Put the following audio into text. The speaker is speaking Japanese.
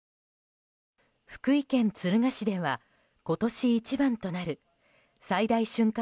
福井県敦賀市では今年一番となる最大瞬間